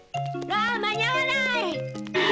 わあ間に合わない！